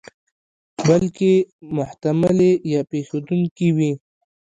بلکې محتملې یا پېښېدونکې وي.